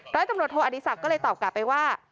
ร้อยตำรวจโทอดีศักดิ์ก็เลยตอบกลับไปว่า